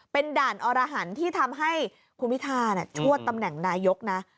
เป็นด่านอรหันที่ทำให้คุณพิธาชวดตำแหน่งนายกนะ